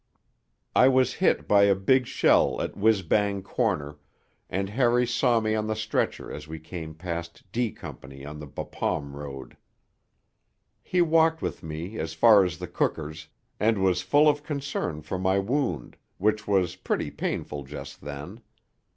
I was hit by a big shell at Whizz Bang Corner, and Harry saw me on the stretcher as we came past D Company on the Bapaume Road. He walked with me as far as the cookers, and was full of concern for my wound, which was pretty painful just then.